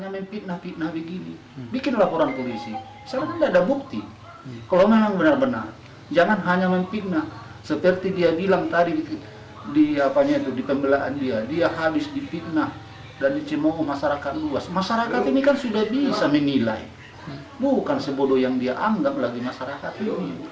masyarakat ini kan sudah bisa menilai bukan sebodo yang dia anggap lagi masyarakat ini